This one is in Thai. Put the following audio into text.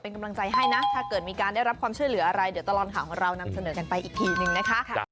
เป็นกำลังใจให้นะถ้าเกิดมีการได้รับความช่วยเหลืออะไรเดี๋ยวตลอดข่าวของเรานำเสนอกันไปอีกทีนึงนะคะ